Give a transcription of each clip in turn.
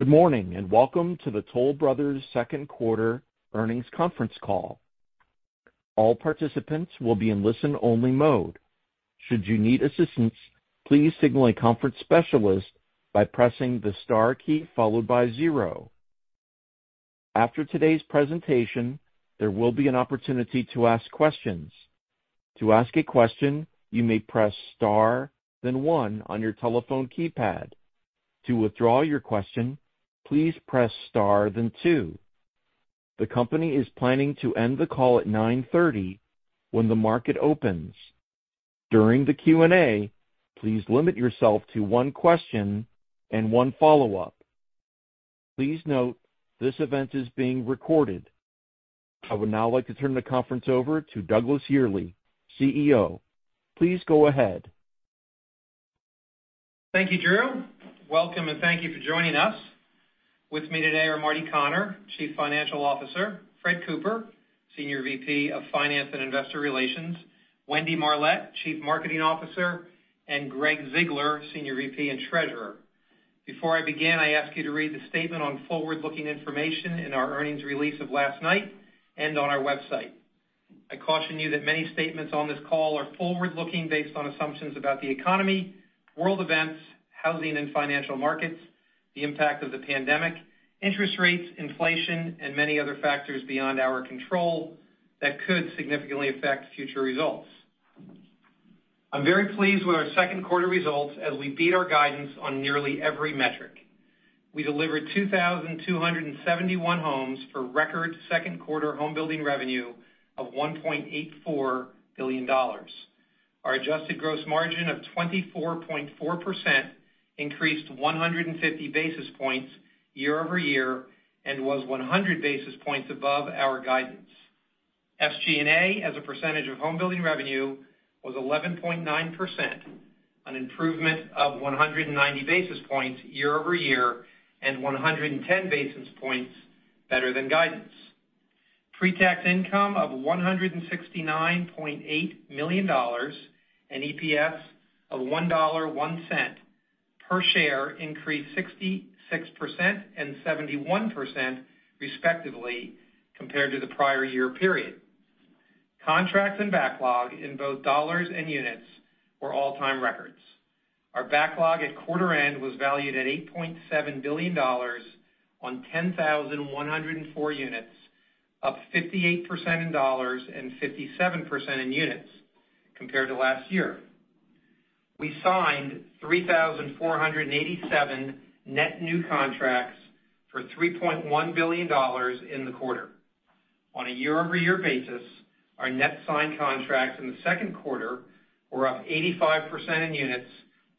Good morning, and welcome to the Toll Brothers second quarter earnings conference call. All participants will be in listen only mode. Should you need assistance please signal the conference specialist by pressing the star key followed by zero. After today's presentation there will be an opportunity to ask questions, to ask a question you may press star then one on your telephone keypad. To withdraw your question please press star then two. The company is planning to end the call at 9:30 when the market opens. During the Q&A, please limit yourself to one question and one follow-up. Please note, this event is being recorded. I would now like to turn the conference over to Douglas Yearley, CEO. Please go ahead. Thank you, Drew. Welcome, and thank you for joining us. With me today are Martin Connor, Chief Financial Officer, Frederick Cooper, Senior Vice President of Finance and Investor Relations, Wendy Marlett, Chief Marketing Officer, and Gregg Ziegler, Senior Vice President and Treasurer. Before I begin, I ask you to read the statement on forward-looking information in our earnings release of last night and on our website. I caution you that many statements on this call are forward-looking based on assumptions about the economy, world events, housing and financial markets, the impact of the pandemic, interest rates, inflation, and many other factors beyond our control that could significantly affect future results. I'm very pleased with our second quarter results as we beat our guidance on nearly every metric. We delivered 2,271 homes for record second quarter home building revenue of $1.84 billion. Our adjusted gross margin of 24.4% increased 150 basis points year-over-year and was 100 basis points above our guidance. SG&A as a percentage of home building revenue was 11.9%, an improvement of 190 basis points year-over-year and 110 basis points better than guidance. Pre-tax income of $169.8 million and EPS of $1.01 per share increased 66% and 71%, respectively, compared to the prior year period. Contracts and backlog in both dollars and units were all-time records. Our backlog at quarter end was valued at $8.7 billion on 10,104 units, up 58% in dollars and 57% in units compared to last year. We signed 3,487 net new contracts for $3.1 billion in the quarter. On a year-over-year basis, our net signed contracts in the second quarter were up 85% in units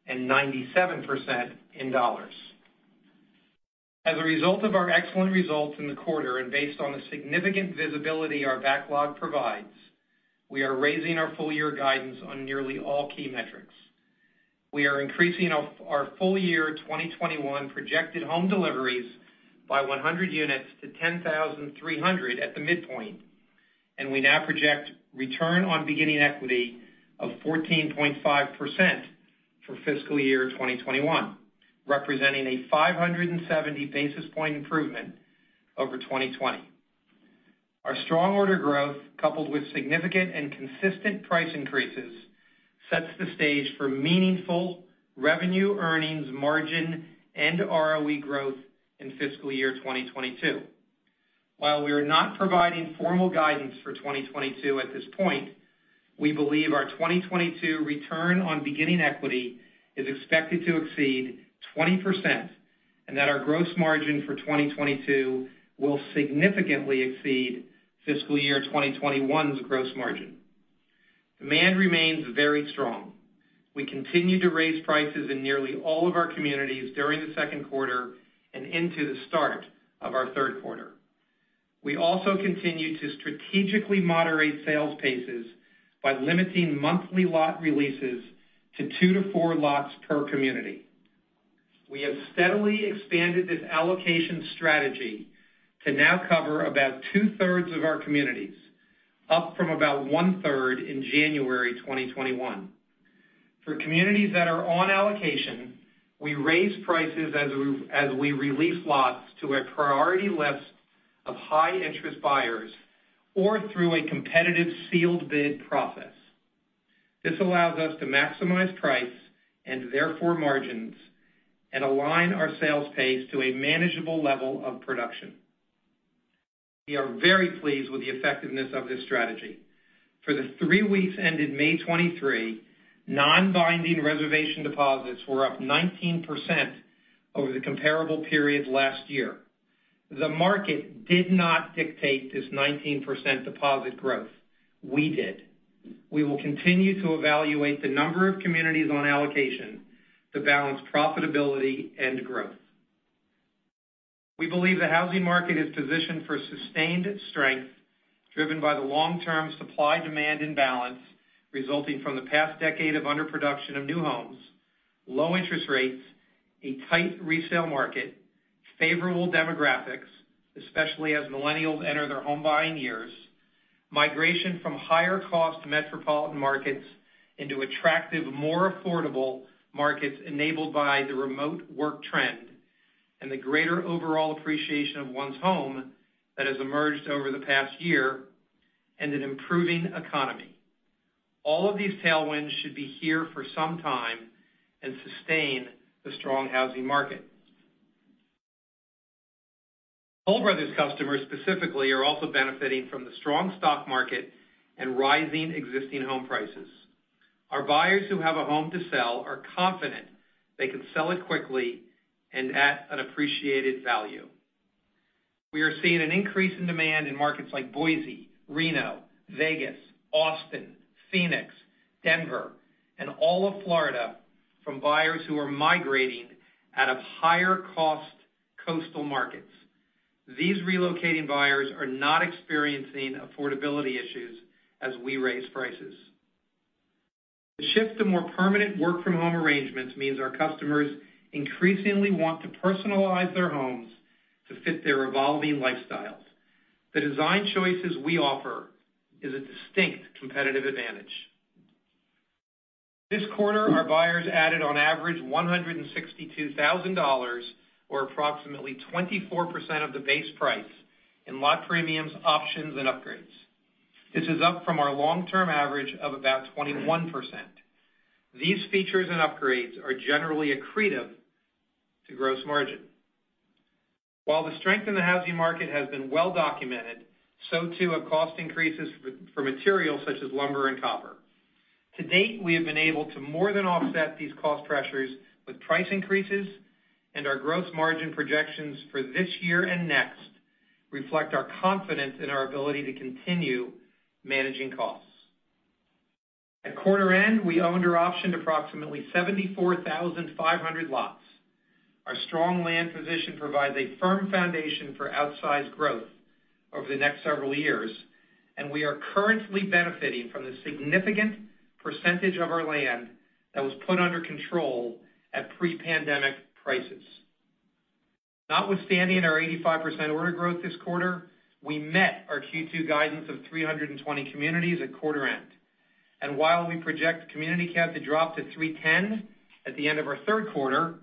and 97% in dollars. As a result of our excellent results in the quarter and based on the significant visibility our backlog provides, we are raising our full year guidance on nearly all key metrics. We are increasing our full year 2021 projected home deliveries by 100 units to 10,300 at the midpoint, and we now project return on beginning equity of 14.5% for fiscal year 2021, representing a 570 basis point improvement over 2020. Our strong order growth, coupled with significant and consistent price increases, sets the stage for meaningful revenue, earnings, margin, and ROE growth in fiscal year 2022. While we are not providing formal guidance for 2022 at this point, we believe our 2022 return on beginning equity is expected to exceed 20%, and that our gross margin for 2022 will significantly exceed fiscal year 2021's gross margin. Demand remains very strong. We continue to raise prices in nearly all of our communities during the second quarter and into the start of our third quarter. We also continue to strategically moderate sales paces by limiting monthly lot releases to two to four lots per community. We have steadily expanded this allocation strategy to now cover about two-thirds of our communities, up from about one-third in January 2021. For communities that are on allocation, we raise prices as we release lots to a priority list of high interest buyers or through a competitive sealed bid process. This allows us to maximize price and therefore margins and align our sales pace to a manageable level of production. We are very pleased with the effectiveness of this strategy. For the three weeks ended May 23, non-binding reservation deposits were up 19% over the comparable period last year. The market did not dictate this 19% deposit growth. We did. We will continue to evaluate the number of communities on allocation to balance profitability and growth. We believe the housing market is positioned for sustained strength driven by the long-term supply demand imbalance resulting from the past decade of underproduction of new homes, low interest rates, a tight resale market, favorable demographics, especially as millennials enter their home buying years, migration from higher cost metropolitan markets into attractive, more affordable markets enabled by the remote work trend and the greater overall appreciation of one's home that has emerged over the past year, and an improving economy. All of these tailwinds should be here for some time and sustain the strong housing market. Toll Brothers customers specifically are also benefiting from the strong stock market and rising existing home prices. Our buyers who have a home to sell are confident they can sell it quickly and at an appreciated value. We are seeing an increase in demand in markets like Boise, Reno, Vegas, Austin, Phoenix, Denver, and all of Florida from buyers who are migrating out of higher cost coastal markets. These relocating buyers are not experiencing affordability issues as we raise prices. The shift to more permanent work-from-home arrangements means our customers increasingly want to personalize their homes to fit their evolving lifestyles. The design choices we offer is a distinct competitive advantage. This quarter, our buyers added on average $162,000, or approximately 24% of the base price in lot premiums, options, and upgrades. This is up from our long-term average of about 21%. These features and upgrades are generally accretive to gross margin. While the strength in the housing market has been well-documented, so too have cost increases for materials such as lumber and copper. To date, we have been able to more than offset these cost pressures with price increases and our gross margin projections for this year and next reflect our confidence in our ability to continue managing costs. At quarter end, we owned or optioned approximately 74,500 lots. Our strong land position provides a firm foundation for outsized growth over the next several years, and we are currently benefiting from the significant percentage of our land that was put under control at pre-pandemic prices. Notwithstanding our 85% order growth this quarter, we met our Q2 guidance of 320 communities at quarter end. While we project community count to drop to 310 at the end of our third quarter,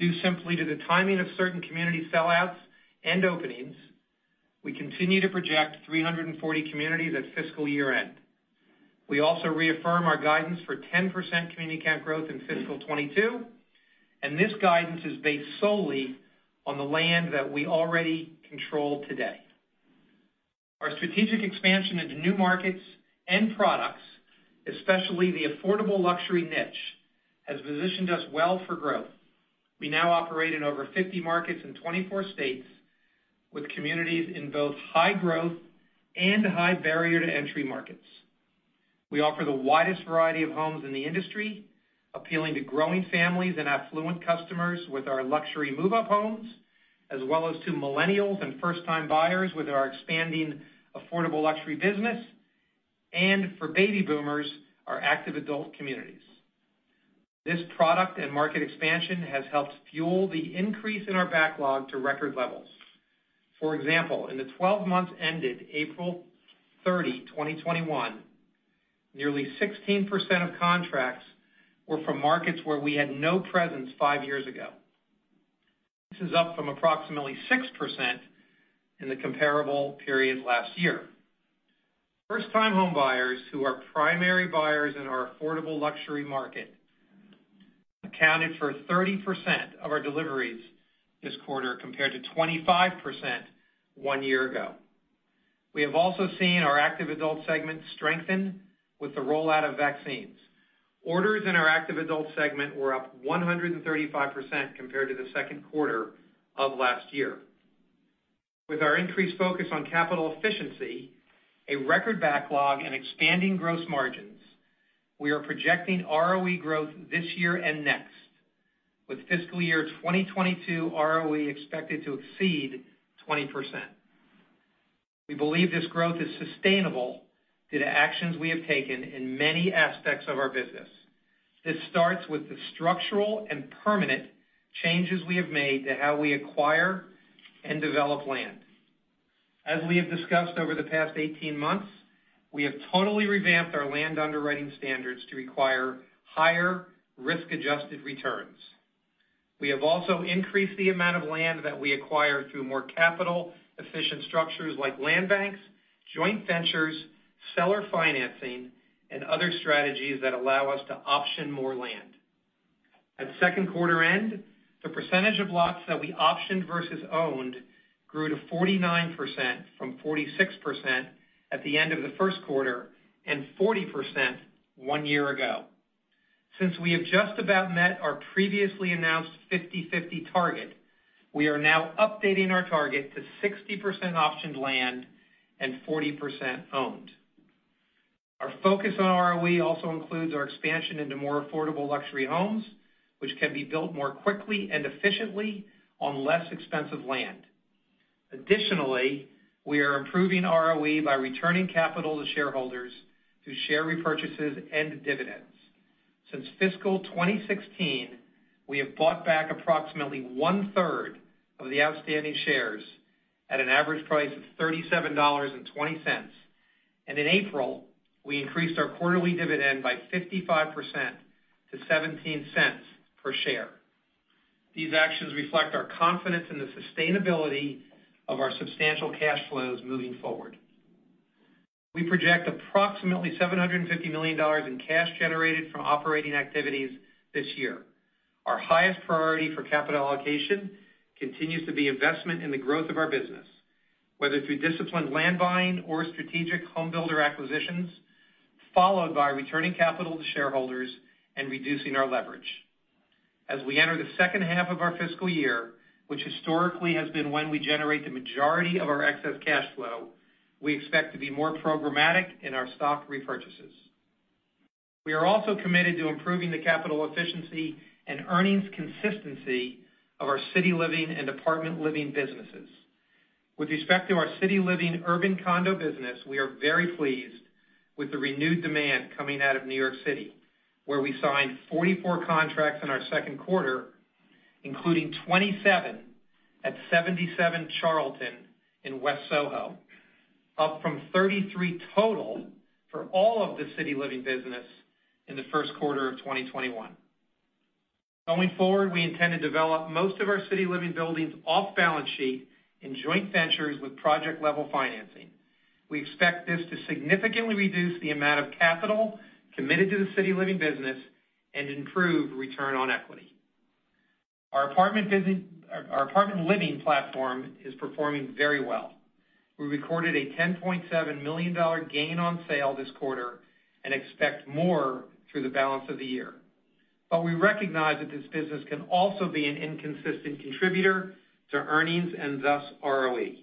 due simply to the timing of certain community sellouts and openings, we continue to project 340 communities at fiscal year-end. We also reaffirm our guidance for 10% community count growth in fiscal 2022, and this guidance is based solely on the land that we already control today. Our strategic expansion into new markets and products, especially the affordable luxury niche, has positioned us well for growth. We now operate in over 50 markets in 24 states with communities in both high growth and high barrier to entry markets. We offer the widest variety of homes in the industry, appealing to growing families and affluent customers with our luxury move-up homes, as well as to millennials and first-time buyers with our expanding affordable luxury business, and for baby boomers, our active adult communities. This product and market expansion has helped fuel the increase in our backlog to record levels. For example, in the 12 months ended April 30, 2021, nearly 16% of contracts were from markets where we had no presence five years ago. This is up from approximately 6% in the comparable period last year. First-time homebuyers who are primary buyers in our affordable luxury market accounted for 30% of our deliveries this quarter compared to 25% one year ago. We have also seen our active adult segment strengthen with the rollout of vaccines. Orders in our active adult segment were up 135% compared to the second quarter of last year. With our increased focus on capital efficiency, a record backlog, and expanding gross margins, we are projecting ROE growth this year and next, with fiscal year 2022 ROE expected to exceed 20%. We believe this growth is sustainable due to actions we have taken in many aspects of our business. This starts with the structural and permanent changes we have made to how we acquire and develop land. As we have discussed over the past 18 months, we have totally revamped our land underwriting standards to require higher risk-adjusted returns. We have also increased the amount of land that we acquire through more capital efficient structures like land banks, joint ventures, seller financing, and other strategies that allow us to option more land. At second quarter end, the percentage of lots that we optioned versus owned grew to 49% from 46% at the end of the first quarter and 40% one year ago. Since we have just about met our previously announced 50/50 target, we are now updating our target to 60% optioned land and 40% owned. Our focus on ROE also includes our expansion into more affordable luxury homes, which can be built more quickly and efficiently on less expensive land. Additionally, we are improving ROE by returning capital to shareholders through share repurchases and dividends. Since fiscal 2016, we have bought back approximately one-third of the outstanding shares at an average price of $37.20. In April, we increased our quarterly dividend by 55% to $0.17 per share. These actions reflect our confidence in the sustainability of our substantial cash flows moving forward. We project approximately $750 million in cash generated from operating activities this year. Our highest priority for capital allocation continues to be investment in the growth of our business, whether through disciplined land buying or strategic home builder acquisitions, followed by returning capital to shareholders and reducing our leverage. As we enter the second half of our fiscal year, which historically has been when we generate the majority of our excess cash flow, we expect to be more programmatic in our stock repurchases. We are also committed to improving the capital efficiency and earnings consistency of our City Living and Apartment Living businesses. With respect to our City Living urban condo business, we are very pleased with the renewed demand coming out of New York City, where we signed 44 contracts in our second quarter, including 27 at 77 Charlton in West Soho, up from 33 total for all of the City Living business in the first quarter of 2021. Going forward, we intend to develop most of our City Living buildings off balance sheet in joint ventures with project-level financing. We expect this to significantly reduce the amount of capital committed to the City Living business and improve return on equity. Our Apartment Living platform is performing very well. We recorded a $10.7 million gain on sale this quarter and expect more through the balance of the year. We recognize that this business can also be an inconsistent contributor to earnings and thus ROE.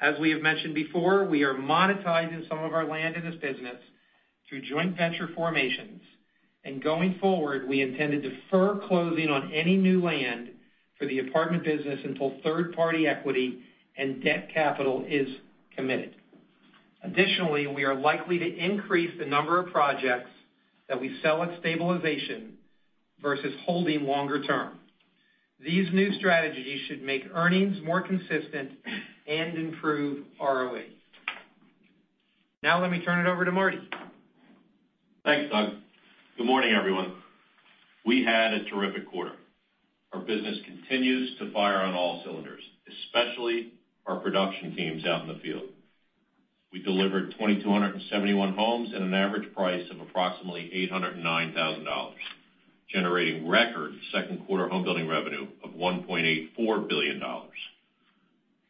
As we have mentioned before, we are monetizing some of our land in this business through joint venture formations, and going forward, we intend to defer closing on any new land for the Apartment business until third-party equity and debt capital is committed. Additionally, we are likely to increase the number of projects that we sell at stabilization versus holding longer term. These new strategies should make earnings more consistent and improve ROE. Let me turn it over to Marty. Thanks, Doug. Good morning, everyone. We had a terrific quarter. Our business continues to fire on all cylinders, especially our production teams out in the field. We delivered 2,271 homes at an average price of approximately $809,000, generating record second quarter home building revenue of $1.84 billion.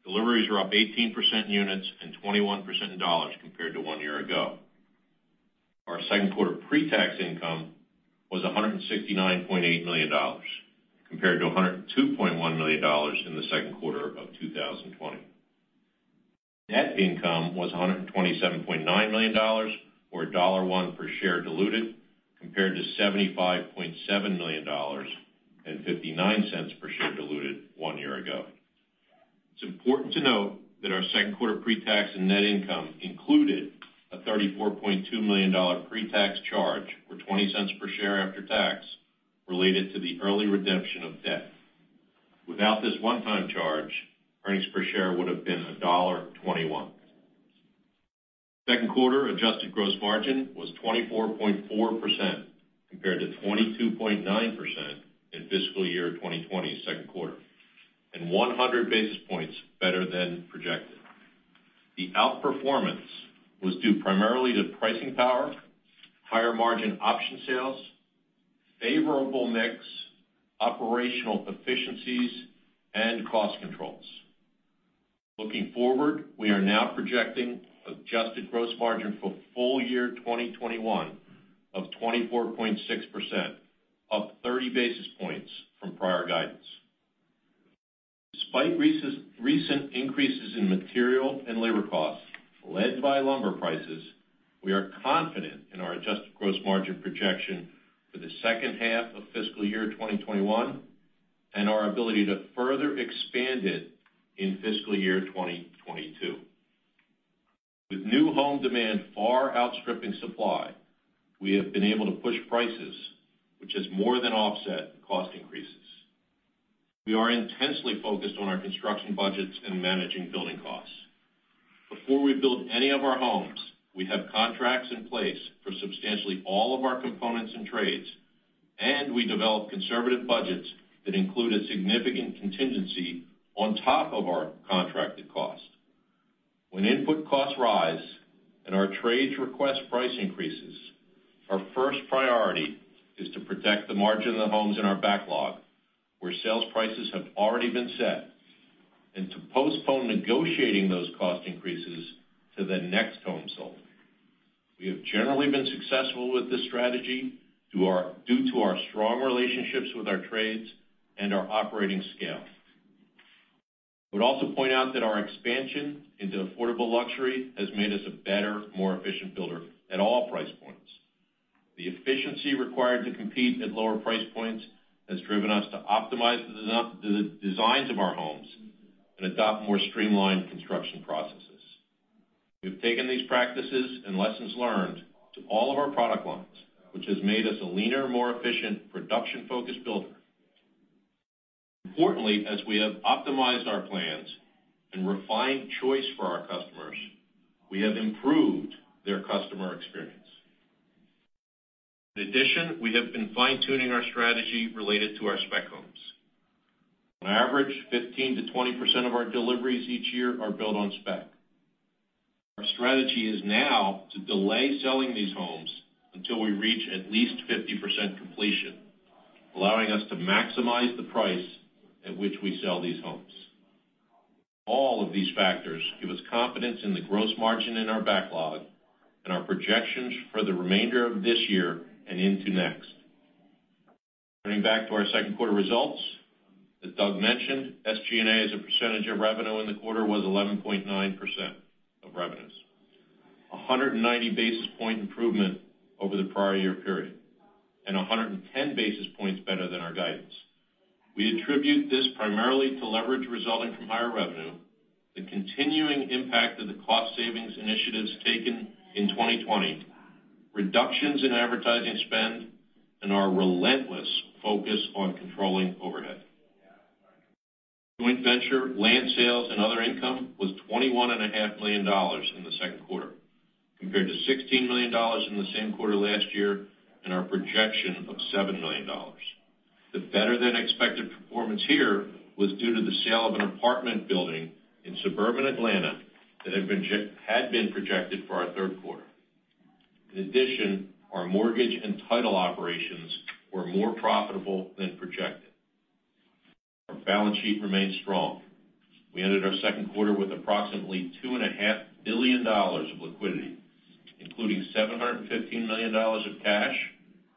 Deliveries were up 18% units and 21% in dollars compared to one year ago. Our second quarter pre-tax income was $169.8 million, compared to $102.1 million in the second quarter of 2020. Net income was $127.9 million, or $1.01 per share diluted, compared to $75.7 million and $0.59 per share diluted one year ago. It's important to note that our second quarter pre-tax and net income included a $34.2 million pre-tax charge, or $0.20 per share after tax, related to the early redemption of debt. Without this one-time charge, earnings per share would have been $1.21. Second quarter adjusted gross margin was 24.4%, compared to 22.9% in fiscal year 2020 second quarter, and 100 basis points better than projected. The outperformance was due primarily to pricing power, higher margin option sales, favorable mix, operational efficiencies, and cost controls. Looking forward, we are now projecting adjusted gross margin for full year 2021 of 24.6%, up 30 basis points from prior guidance. Despite recent increases in material and labor costs led by lumber prices, we are confident in our adjusted gross margin projection for the second half of fiscal year 2021 and our ability to further expand it in fiscal year 2022. With new home demand far outstripping supply, we have been able to push prices, which has more than offset cost increases. We are intensely focused on our construction budgets and managing building costs. Before we build any of our homes, we have contracts in place for substantially all of our components and trades, and we develop conservative budgets that include a significant contingency on top of our contracted cost. When input costs rise and our trades request price increases, our first priority is to protect the margin of the homes in our backlog, where sales prices have already been set, and to postpone negotiating those cost increases to the next home sold. We have generally been successful with this strategy due to our strong relationships with our trades and our operating scale. I would also point out that our expansion into affordable luxury has made us a better, more efficient builder at all price points. The efficiency required to compete at lower price points has driven us to optimize the designs of our homes and adopt more streamlined construction processes. We've taken these practices and lessons learned to all of our product lines, which has made us a leaner, more efficient production-focused builder. Importantly, as we have optimized our plans and refined choice for our customers, we have improved their customer experience. In addition, we have been fine-tuning our strategy related to our spec homes. On average, 15% to 20% of our deliveries each year are built on spec. Our strategy is now to delay selling these homes until we reach at least 50% completion, allowing us to maximize the price at which we sell these homes. All of these factors give us confidence in the gross margin in our backlog and our projections for the remainder of this year and into next. Turning back to our second quarter results, as Doug mentioned, SG&A as a percentage of revenue in the quarter was 11.9% of revenues, 190 basis point improvement over the prior year period and 110 basis points better than our guidance. We attribute this primarily to leverage resulting from higher revenue, the continuing impact of the cost savings initiatives taken in 2020, reductions in advertising spend, and our relentless focus on controlling overhead. Joint venture, land sales, and other income was $21.5 million in the second quarter compared to $16 million in the same quarter last year and our projection of $7 million. The better-than-expected performance here was due to the sale of an apartment building in suburban Atlanta that had been projected for our third quarter. In addition, our mortgage and title operations were more profitable than projected. Our balance sheet remains strong. We ended our second quarter with approximately $2.5 billion of liquidity, including $715 million of cash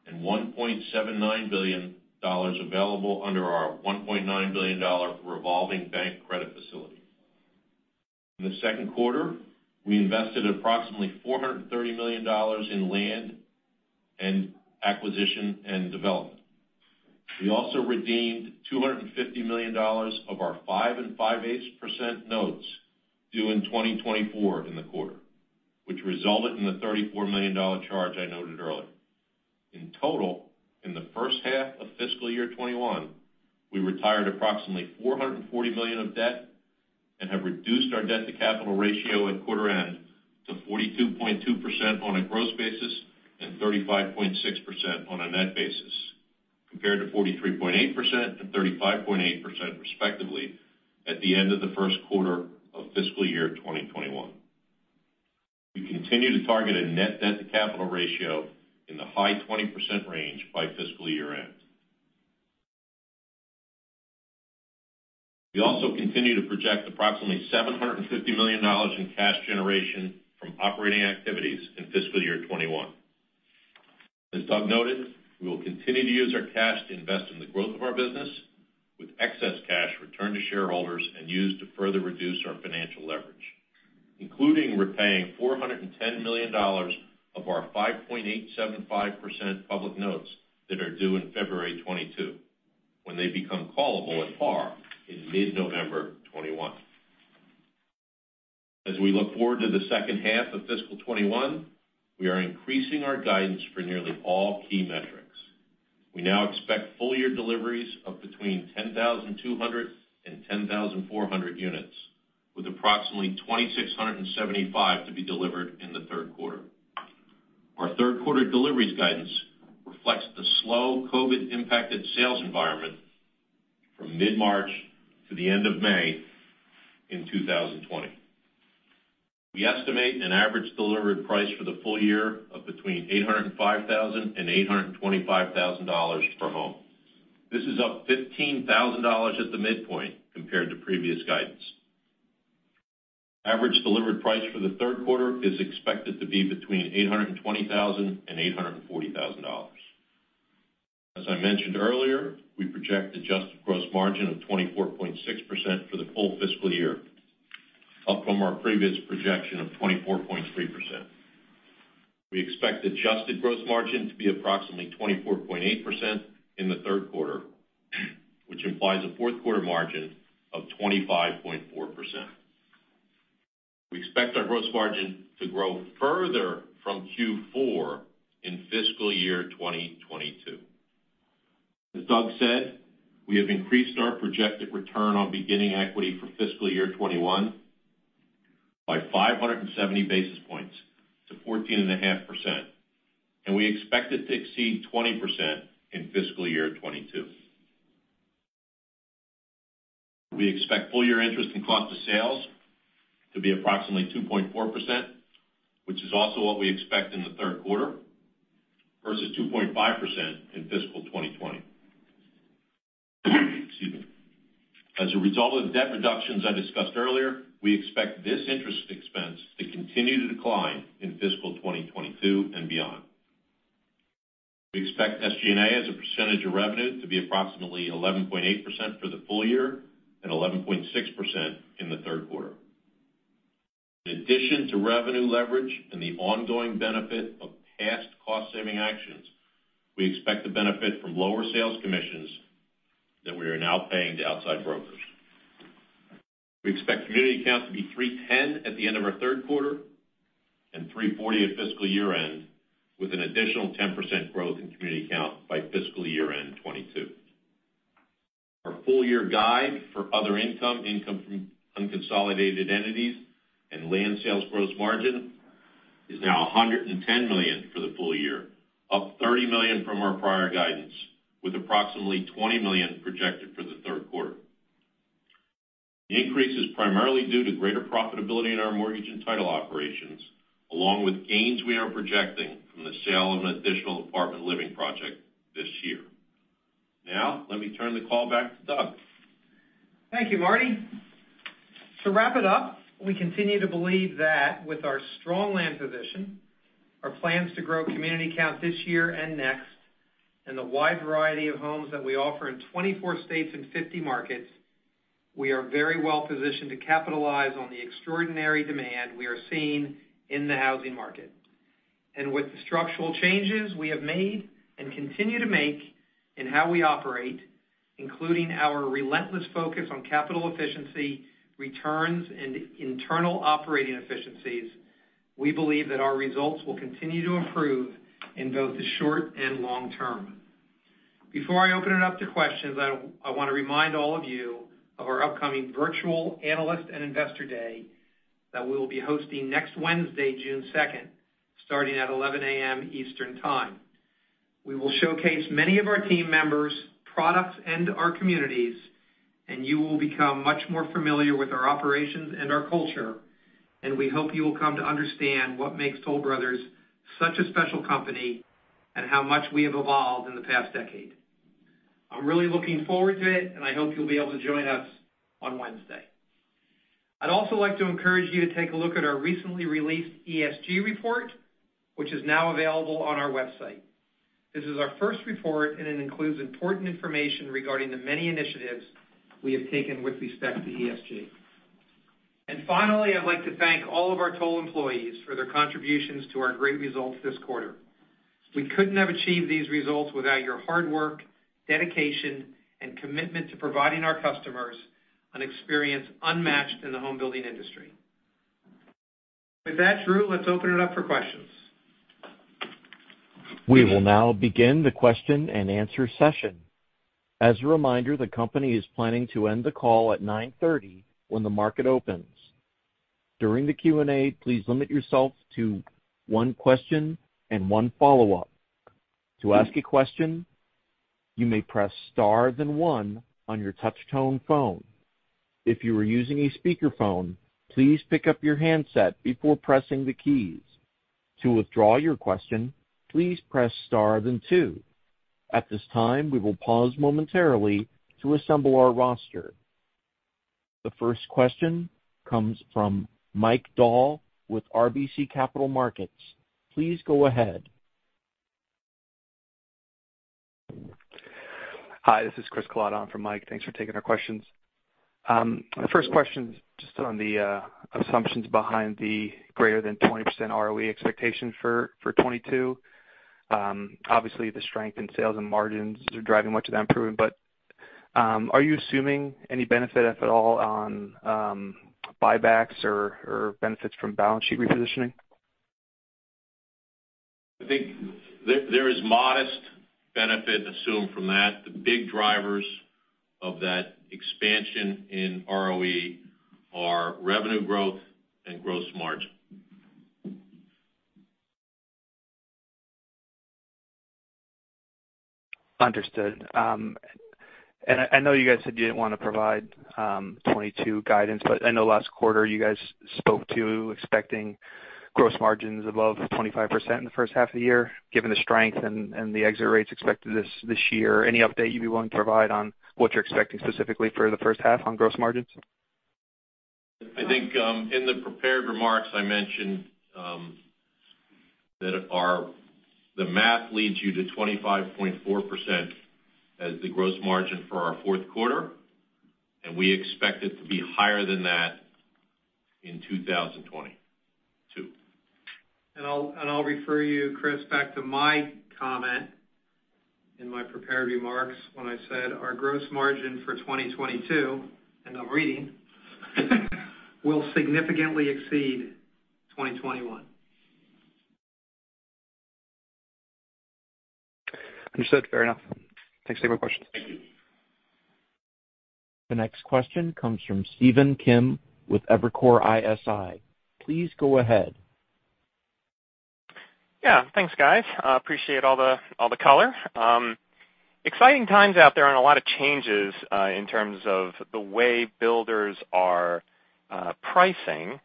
and $1.79 billion available under our $1.9 billion revolving bank credit facility. In the second quarter, we invested approximately $430 million in land and acquisition and development. We also redeemed $250 million of our 5.625% notes due in 2024 in the quarter, which resulted in the $34 million charge I noted earlier. In total, in the first half of fiscal year 2021, we retired approximately $440 million of debt and have reduced our debt-to-capital ratio at quarter end to 42.2% on a gross basis and 35.6% on a net basis, compared to 43.8% and 35.8% respectively at the end of the first quarter of fiscal year 2021. We continue to target a net debt-to-capital ratio in the high 20% range by fiscal year-end. We also continue to project approximately $750 million in cash generation from operating activities in fiscal year 2021. As Doug noted, we will continue to use our cash to invest in the growth of our business with excess cash returned to shareholders and used to further reduce our financial leverage, including repaying $410 million of our 5.875% public notes that are due in February 2022, when they become callable at par in mid-November 2021. As we look forward to the second half of fiscal 2021, we are increasing our guidance for nearly all key metrics. We now expect full-year deliveries of between 10,200 and 10,400 units, with approximately 2,675 to be delivered in the third quarter. Our third quarter deliveries guidance reflects the slow COVID-impacted sales environment from mid-March to the end of May in 2020. We estimate an average delivered price for the full year of between $805,000 and $825,000 per home. This is up $15,000 at the midpoint compared to previous guidance. Average delivered price for the third quarter is expected to be between $820,000 and $840,000. As I mentioned earlier, we project adjusted gross margin of 24.6% for the full fiscal year, up from our previous projection of 24.3%. We expect adjusted gross margin to be approximately 24.8% in the third quarter, which implies a fourth quarter margin of 25.4%. We expect our gross margin to grow further from Q4 in fiscal year 2022. As Doug said, we have increased our projected return on beginning equity for fiscal year '21 by 570 basis points to 14.5%, and we expect it to exceed 20% in fiscal year '22. We expect full-year interest in cost of sales to be approximately 2.4%, which is also what we expect in the third quarter versus 2.5% in fiscal 2020. Excuse me. As a result of debt reductions I discussed earlier, we expect this interest expense to continue to decline in fiscal 2022 and beyond. We expect SG&A as a percentage of revenue to be approximately 11.8% for the full year and 11.6% in the third quarter. In addition to revenue leverage and the ongoing benefit of past cost-saving actions, we expect the benefit from lower sales commissions that we are now paying to outside brokers. We expect community count to be 310 at the end of our third quarter and 340 at fiscal year-end, with an additional 10% growth in community count by fiscal year-end 2022. Our full year guide for other income from unconsolidated entities, and land sales gross margin is now $110 million for the full year, up $30 million from our prior guidance, with approximately $20 million projected for the third quarter. The increase is primarily due to greater profitability in our mortgage and title operations, along with gains we are projecting from the sale of an additional Apartment Living project this year. Now, let me turn the call back to Doug. Thank you, Martin. To wrap it up, we continue to believe that with our strong land position, our plans to grow community count this year and next, and the wide variety of homes that we offer in 24 states and 50 markets, we are very well positioned to capitalize on the extraordinary demand we are seeing in the housing market. With the structural changes we have made and continue to make in how we operate, including our relentless focus on capital efficiency, returns, and internal operating efficiencies, we believe that our results will continue to improve in both the short and long term. Before I open it up to questions, I want to remind all of you of our upcoming virtual Analyst and Investor Day that we'll be hosting next Wednesday, June 2nd, starting at 11:00 A.M. Eastern Time. We will showcase many of our team members, products, and our communities, and you will become much more familiar with our operations and our culture, and we hope you will come to understand what makes Toll Brothers such a special company and how much we have evolved in the past decade. I'm really looking forward to it, and I hope you'll be able to join us on Wednesday. I'd also like to encourage you to take a look at our recently released ESG report, which is now available on our website. This is our first report, and it includes important information regarding the many initiatives we have taken with respect to ESG. Finally, I'd like to thank all of our Toll employees for their contributions to our great results this quarter. We couldn't have achieved these results without your hard work, dedication, and commitment to providing our customers an experience unmatched in the home building industry. With that, Drew, let's open it up for questions. We will now begin the question and answer session. As a reminder, the company is planning to end the call at 9:30 A.M. when the market opens. During the Q&A, please limit yourself to one question and one follow-up. To ask a question, you may press star then one on your touch tone phone. If you are using a speakerphone, please pick up your handset before pressing the keys. To withdraw your question, please press star then two. At this time, we will pause momentarily to assemble our roster. The first question comes from Mike Dahl with RBC Capital Markets. Please go ahead. Hi, this is Chris from Mike Dahl. Thanks for taking our questions. My first question is just on the assumptions behind the greater than 20% ROE expectation for 2022. Obviously, the strength in sales and margins is driving much of that improvement, but are you assuming any benefit at all on buybacks or benefits from balance sheet repositioning? I think there is modest benefit assumed from that. The big drivers of that expansion in ROE are revenue growth and gross margin. Understood. I know you guys said you didn't want to provide 2022 guidance, but I know last quarter you guys spoke to expecting gross margins above 25% in the first half of the year. Given the strength and the exit rates expected this year, any update you'd be willing to provide on what you're expecting specifically for the first half on gross margins? I think in the prepared remarks, I mentioned that the math leads you to 25.4% as the gross margin for our fourth quarter, and we expect it to be higher than that in 2022. I'll refer you, Chris, back to my comment in my prepared remarks when I said our gross margin for 2022, and I'll read, will significantly exceed 2021. Understood. Fair enough. Thanks for your question. The next question comes from Stephen Kim with Evercore ISI. Please go ahead. Thanks, guys. Appreciate all the color. Exciting times out there and a lot of changes in terms of the way builders are pricing,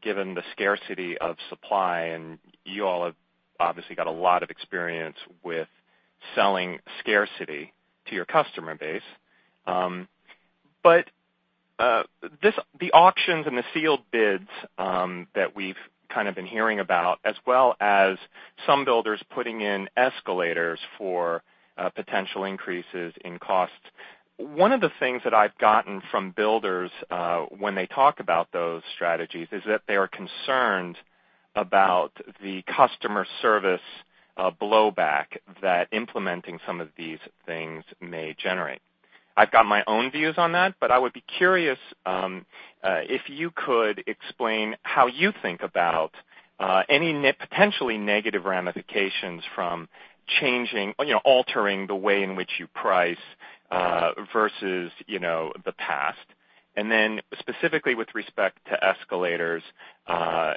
given the scarcity of supply, and you all have obviously got a lot of experience with selling scarcity to your customer base. The auctions and the sealed bids that we've kind of been hearing about, as well as some builders putting in escalators for potential increases in cost. One of the things that I've gotten from builders when they talk about those strategies is that they are concerned about the customer service blowback that implementing some of these things may generate. I've got my own views on that, but I would be curious if you could explain how you think about any potentially negative ramifications from altering the way in which you price versus the past. Specifically with respect to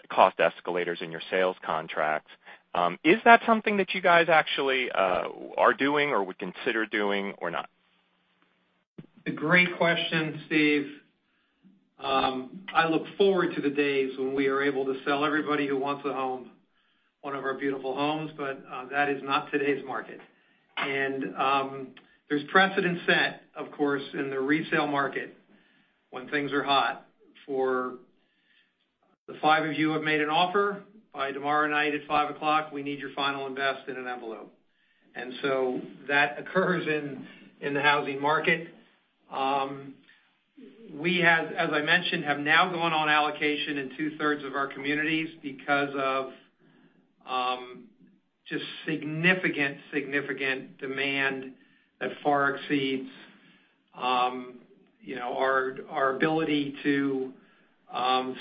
cost escalators in your sales contracts, is that something that you guys actually are doing or would consider doing or not? A great question, Steve. I look forward to the days when we are able to sell everybody who wants a home, one of our beautiful homes. That is not today's market. There's precedent set, of course, in the retail market when things are hot for the five of you have made an offer by tomorrow night at 5:00, we need your final and best in an envelope. That occurs in the housing market. We have, as I mentioned, have now gone on allocation in two-thirds of our communities because of just significant demand that far exceeds our ability to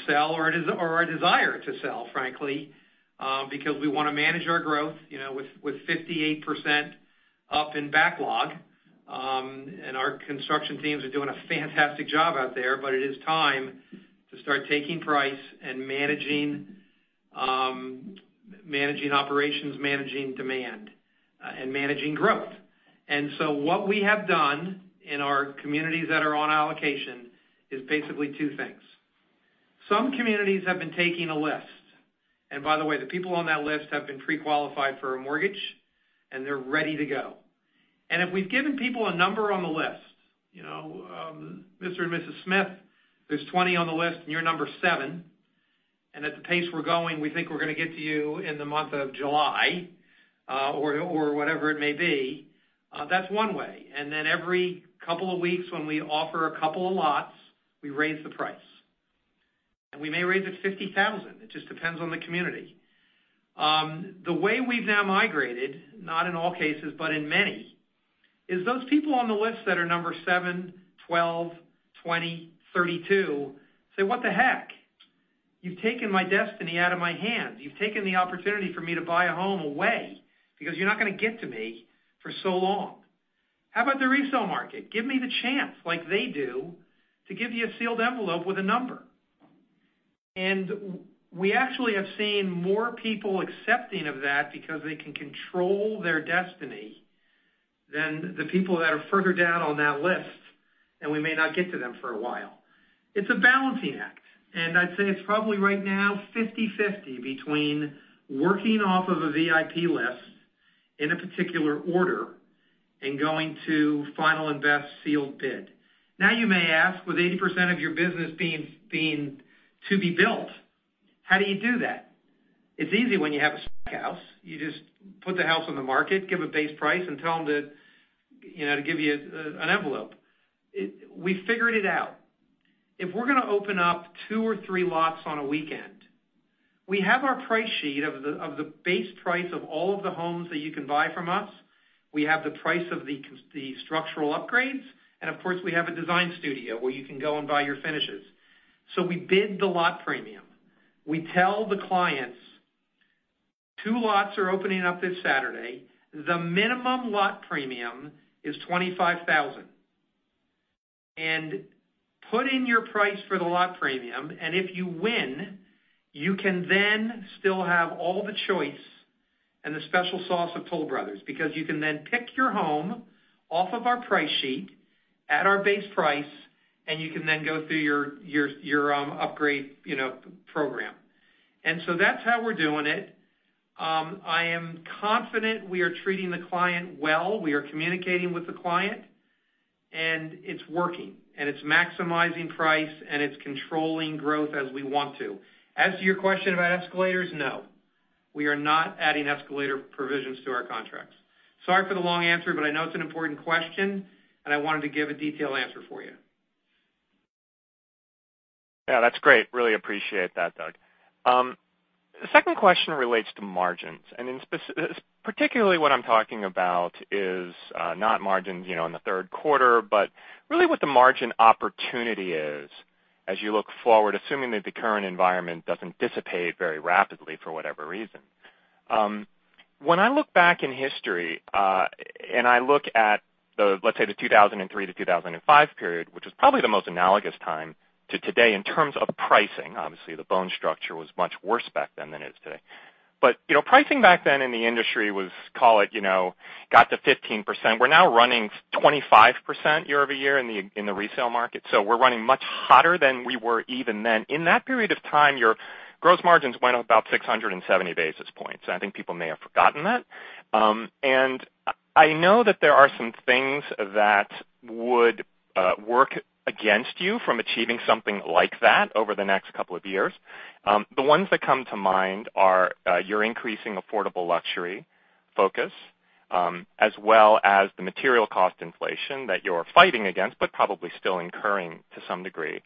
sell or our desire to sell, frankly because we want to manage our growth, with 58% up in backlog. Our construction teams are doing a fantastic job out there. It is time to start taking price and managing operations, managing demand, and managing growth. What we have done in our communities that are on allocation is basically two things. Some communities have been taking a list, and by the way, the people on that list have been pre-qualified for a mortgage and they're ready to go. If we've given people a number on the list, Mr. and Mrs. Smith, there's 20 on the list and you're number 7, and at the pace we're going, we think we're going to get to you in the month of July or whatever it may be. That's one way. Every couple of weeks when we offer a couple of lots, we raise the price, and we may raise it $50,000. It just depends on the community. The way we've now migrated, not in all cases, but in many, is those people on the list that are number 7, 12, 20, 32 say, "What the heck. You've taken my destiny out of my hands. You've taken the opportunity for me to buy a home away because you're not going to get to me for so long. How about the resale market? Give me the chance like they do to give you a sealed envelope with a number." We actually have seen more people accepting of that because they can control their destiny than the people that are further down on that list and we may not get to them for a while. It's a balancing act, and I'd say it's probably right now 50/50 between working off of a VIP list in a particular order and going to final and best sealed bid. You may ask, with 80% of your business to be built, how do you do that? It's easy when you have a spec house. You just put the house on the market, give a base price, and tell them to give you an envelope. We figured it out. If we're going to open up two or three lots on a weekend, we have our price sheet of the base price of all of the homes that you can buy from us. We have the price of the structural upgrades, and of course, we have a design studio where you can go and buy your finishes. We bid the lot premium. We tell the clients, "Two lots are opening up this Saturday. The minimum lot premium is $25,000, and put in your price for the lot premium and if you win, you can then still have all the choice and the special sauce of Toll Brothers because you can then pick your home off of our price sheet at our base price, and you can then go through your upgrade program. That's how we're doing it. I am confident we are treating the client well. We are communicating with the client, and it's working, and it's maximizing price, and it's controlling growth as we want to. As to your question about escalators, no, we are not adding escalator provisions to our contracts. Sorry for the long answer, but I know it's an important question, and I wanted to give a detailed answer for you. Yeah, that's great. Really appreciate that, Doug. The second question relates to margins, and in particular what I'm talking about is not margins in the third quarter, but really what the margin opportunity is as you look forward, assuming that the current environment doesn't dissipate very rapidly for whatever reason. When I look back in history, I look at, let's say the 2003 to 2005 period, which is probably the most analogous time to today in terms of pricing. Obviously, the bone structure was much worse back then than it is today. Pricing back then in the industry was, call it, got to 15%. We're now running 25% year-over-year in the retail market. We're running much hotter than we were even then. In that period of time, your gross margins went up about 670 basis points, I think people may have forgotten that. I know that there are some things that would work against you from achieving something like that over the next couple of years. The ones that come to mind are your increasing affordable luxury focus, as well as the material cost inflation that you're fighting against, but probably still incurring to some degree,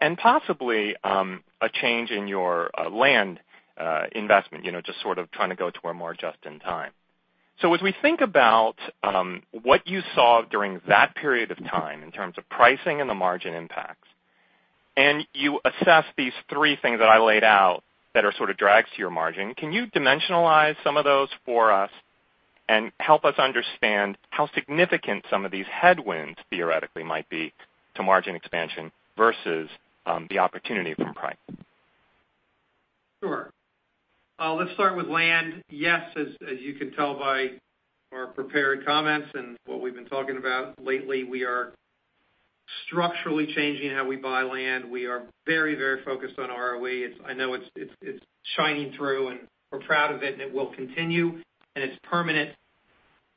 and possibly a change in your land investment, just sort of trying to go to a more just in time. As we think about what you saw during that period of time in terms of pricing and the margin impacts, and you assess these three things that I laid out that are sort of drags to your margin, can you dimensionalize some of those for us and help us understand how significant some of these headwinds theoretically might be to margin expansion versus the opportunity from pricing? Sure. Let's start with land. As you can tell by our prepared comments and what we've been talking about lately, we are structurally changing how we buy land. We are very focused on ROE. I know it's shining through and we're proud of it, and it will continue, and it's permanent.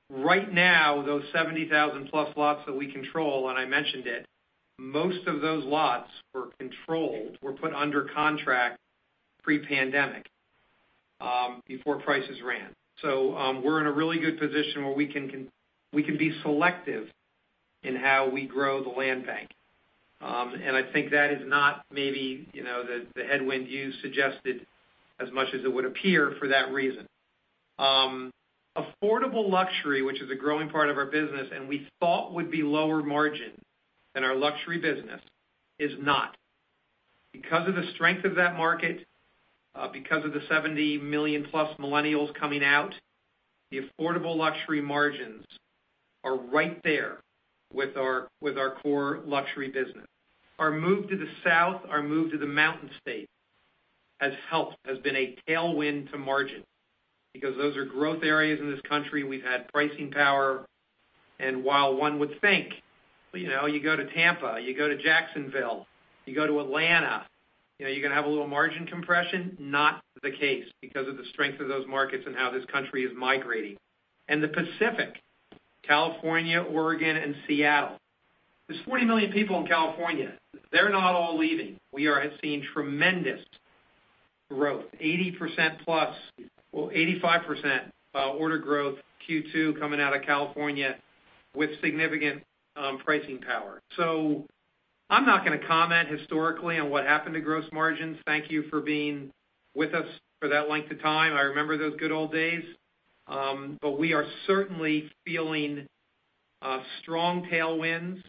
Right now, those 70,000 plus lots that we control, and I mentioned it, most of those lots were controlled, were put under contract pre-pandemic before prices ran. We're in a really good position where we can be selective in how we grow the land bank. I think that is not maybe the headwind you suggested as much as it would appear for that reason. Affordable luxury, which is a growing part of our business and we thought would be lower margin than our luxury business, is not. Because of the strength of that market, because of the 70 million+ millennials coming out, the affordable luxury margins are right there with our core luxury business. Our move to the South, our move to the Mountain States has helped, has been a tailwind to margins because those are growth areas in this country. We've had pricing power. While one would think you go to Tampa, you go to Jacksonville, you go to Atlanta, you're going to have a little margin compression, not the case because of the strength of those markets and how this country is migrating. The Pacific, California, Oregon, and Seattle. There's 40 million people in California. They're not all leaving. We are seeing tremendous growth, 80%+ well, 85% order growth Q2 coming out of California with significant pricing power. I'm not going to comment historically on what happened to gross margins. Thank you for being with us for that length of time. I remember those good old days. We are certainly feeling strong tailwinds.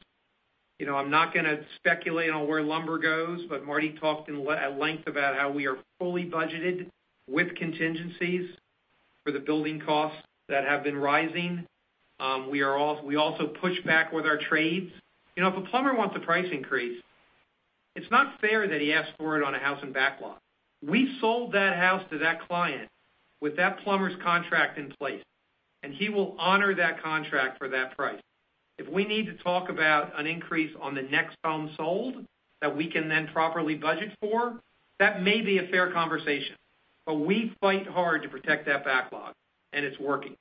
I'm not going to speculate on where lumber goes, but Martin talked at length about how we are fully budgeted with contingencies for the building costs that have been rising. We also push back with our trades. If a plumber wants a price increase, it's not fair that he asks for it on a house in backlog. We sold that house to that client with that plumber's contract in place, and he will honor that contract for that price. If we need to talk about an increase on the next home sold that we can then properly budget for, that may be a fair conversation, but we fight hard to protect that backlog, and it's working.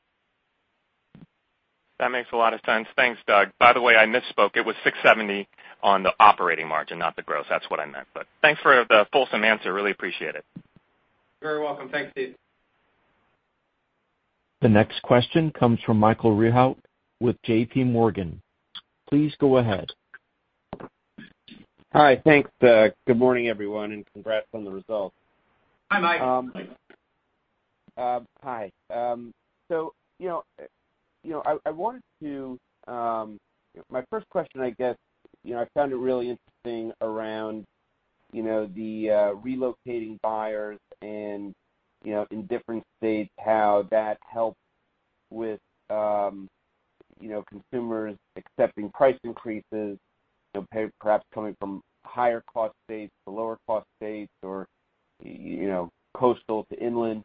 That makes a lot of sense. Thanks, Doug. By the way, I misspoke. It was 670 on the operating margin, not the gross. That's what I meant. Thanks for the fulsome answer. Really appreciate it. You're welcome. Thanks, Steve. The next question comes from Michael Rehaut with JPMorgan. Please go ahead. Hi. Thanks. Good morning, everyone, and congrats on the results. Hi, Michael. Hi. My first question, I guess, I found it really interesting around the relocating buyers and in different states how that helps with consumers accepting price increases, perhaps coming from higher cost states to lower cost states or coastal to inland.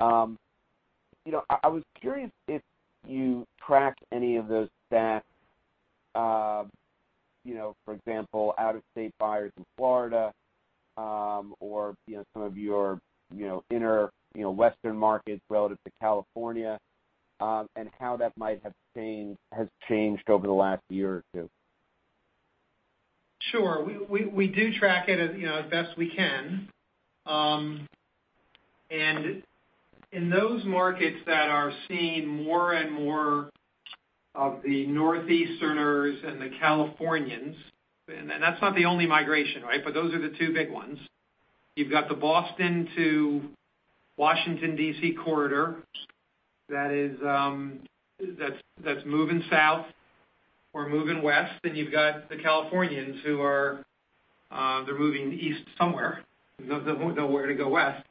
I was curious if you track any of those stats, for example, out-of-state buyers in Florida or some of your inner western markets relative to California and how that might have changed over the last year or two? Sure. We do track it as best we can. In those markets that are seeing more and more of the Northeasterners and the Californians, that's not the only migration, but those are the two big ones. You've got the Boston to Washington, D.C. corridor that's moving south or moving west, and you've got the Californians who are moving east somewhere. They don't know where to go west.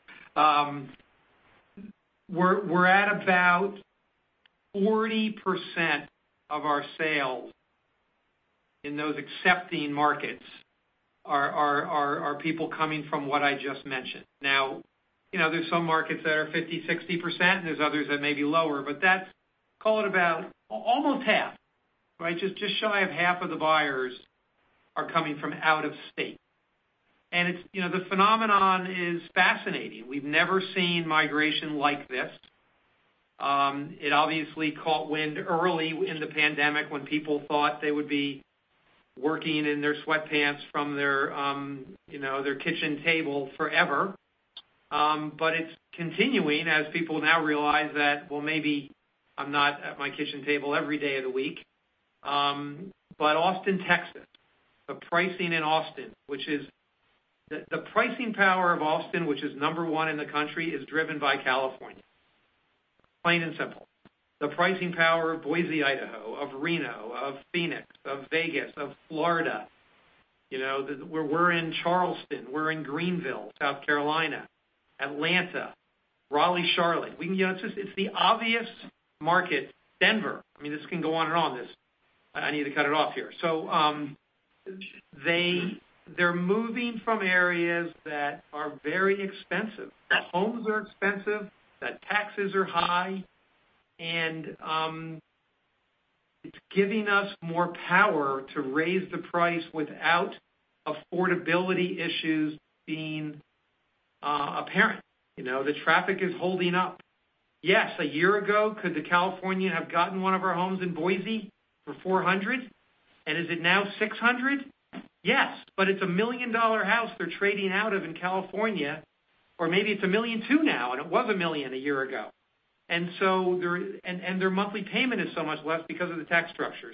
We're at about 40% of our sales in those accepting markets are people coming from what I just mentioned. There's some markets that are 50, 60%, and there's others that may be lower, but that's call it about almost half. Just shy of half of the buyers are coming from out of state. The phenomenon is fascinating. We've never seen migration like this. It obviously caught wind early in the pandemic when people thought they would be working in their sweatpants from their kitchen table forever. It's continuing as people now realize that, well, maybe I'm not at my kitchen table every day of the week. Austin, Texas, the pricing in Austin. The pricing power of Austin, which is number one in the country, is driven by California, plain and simple. The pricing power of Boise, Idaho, of Reno, of Phoenix, of Vegas, of Florida. We're in Charleston, we're in Greenville, South Carolina, Atlanta, Raleigh, Charlotte. It's the obvious market. Denver. This can go on and on. I need to cut it off here. They're moving from areas that are very expensive. The homes are expensive, the taxes are high, and it's giving us more power to raise the price without affordability issues being apparent. The traffic is holding up. Yes, a year ago, could the Californian have gotten one of our homes in Boise for $400,000? Is it now $600,000? Yes, but it's a million-dollar house they're trading out of in California, or maybe it's $1.2 million now, and it was a million a year ago. Their monthly payment is so much less because of the tax structure.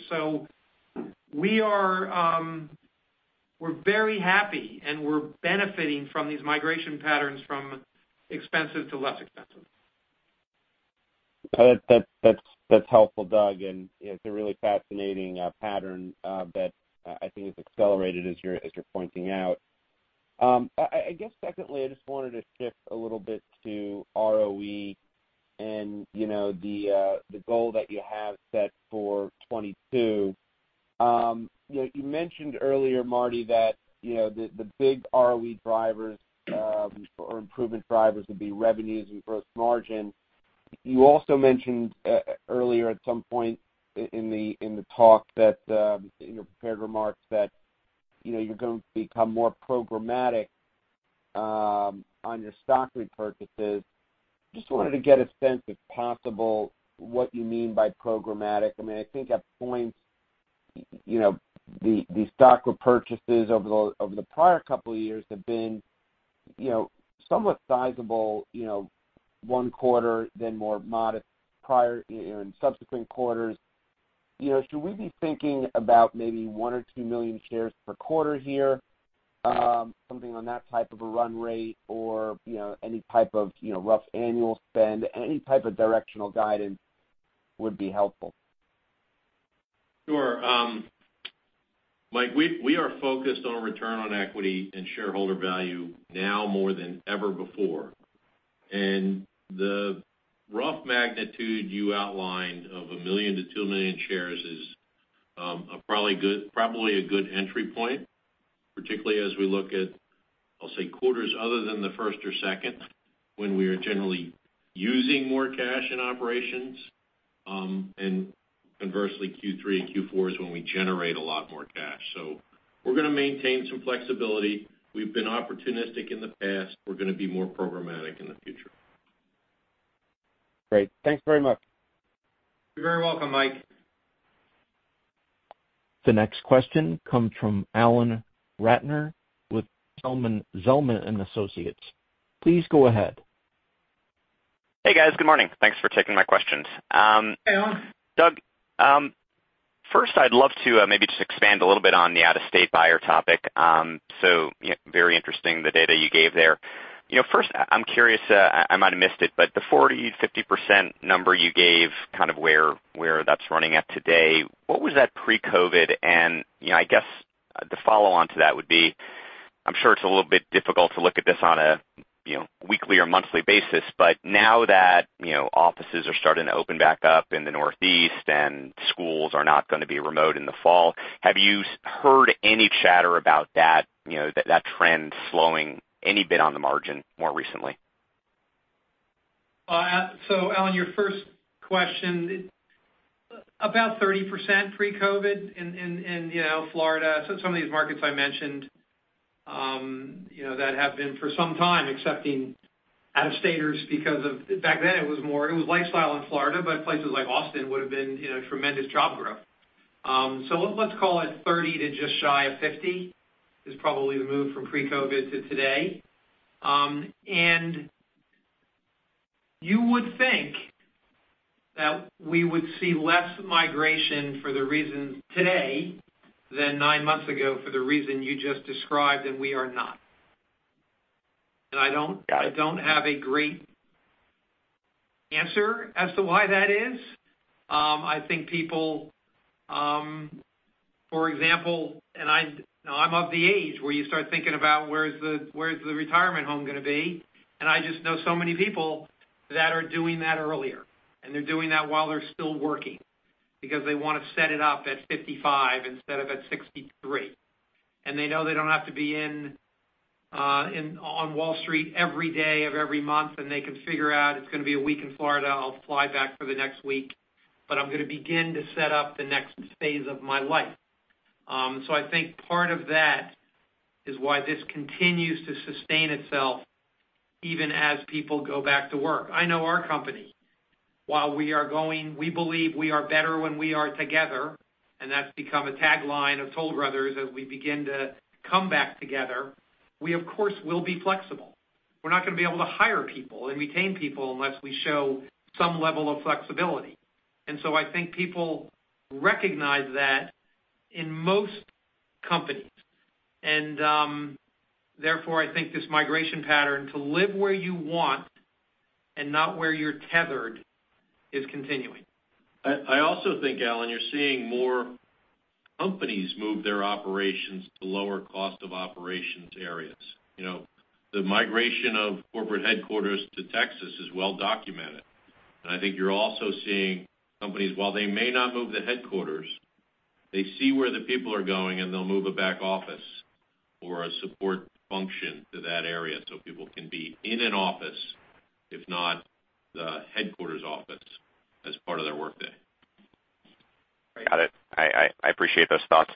We're very happy, and we're benefiting from these migration patterns from expensive to less expensive. That's helpful, Doug. It's a really fascinating pattern that I think has accelerated as you're pointing out. I guess secondly, I just wanted to shift a little bit to ROE and the goal that you have set for 2022. You mentioned earlier, Marty, that the big ROE drivers or improvement drivers would be revenues and gross margin. You also mentioned earlier at some point in the talk, in your prepared remarks that you're going to become more programmatic on your stock repurchases. Just wanted to get a sense, if possible, what you mean by programmatic. I think at points, the stock repurchases over the prior couple of years have been somewhat sizable one quarter, then more modest in subsequent quarters. Should we be thinking about maybe one or two million shares per quarter here? Something on that type of a run rate or any type of rough annual spend? Any type of directional guidance would be helpful. Sure. Mike, we are focused on return on equity and shareholder value now more than ever before. The rough magnitude you outlined of 1 million to 2 million shares is probably a good entry point, particularly as we look at, I'll say, quarters other than the first or second, when we are generally using more cash in operations. Conversely, Q3 and Q4 is when we generate a lot more cash. We're going to maintain some flexibility. We've been opportunistic in the past. We're going to be more programmatic in the future. Great. Thanks very much. You're very welcome, Mike. The next question comes from Alan Ratner with Zelman & Associates. Please go ahead. Hey, guys. Good morning. Thanks for taking my questions. Hey, Alan. Doug, first I'd love to maybe just expand a little bit on the out-of-state buyer topic. Very interesting, the data you gave there. First, I'm curious, I might have missed it, but the 40%, 50% number you gave, kind of where that's running at today, what was that pre-COVID? I guess the follow-on to that would be, I'm sure it's a little bit difficult to look at this on a weekly or monthly basis, but now that offices are starting to open back up in the Northeast and schools are not going to be remote in the fall, have you heard any chatter about that trend slowing any bit on the margin more recently? Alan, your first question. About 30% pre-COVID in Florida. Some of these markets I mentioned that have been for some time accepting out-of-staters because of, back then it was lifestyle in Florida, but places like Austin would've been tremendous job growth. Let's call it 30 to just shy of 50, is probably the move from pre-COVID to today. You would think that we would see less migration for the reasons today than nine months ago for the reason you just described, and we are not. Got it. have a great answer as to why that is. I think people, for example, and I'm of the age where you start thinking about where's the retirement home going to be, and I just know so many people that are doing that earlier. They're doing that while they're still working because they want to set it up at 55 instead of at 63. They know they don't have to be in on Wall Street every day of every month, and they can figure out it's going to be a week in Florida, I'll fly back for the next week, but I'm going to begin to set up the next phase of my life. I think part of that is why this continues to sustain itself, even as people go back to work. I know our company While we are going, we believe we are better when we are together, and that's become a tagline of Toll Brothers as we begin to come back together. We of course, will be flexible. We're not going to be able to hire people and retain people unless we show some level of flexibility. I think people recognize that in most companies. Therefore, I think this migration pattern to live where you want and not where you're tethered is continuing. I also think, Alan, you're seeing more companies move their operations to lower cost of operations areas. The migration of corporate headquarters to Texas is well documented. I think you're also seeing companies, while they may not move the headquarters, they see where the people are going, and they'll move a back office or a support function to that area so people can be in an office, if not the headquarters office, as part of their workday. I got it. I appreciate those thoughts.